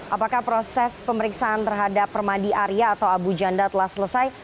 apakah proses pemeriksaan terhadap permadi arya atau abu janda telah selesai